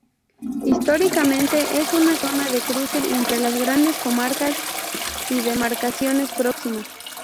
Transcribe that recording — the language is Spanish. Históricamente es una zona de cruce entre las grandes comarcas y demarcaciones próximas.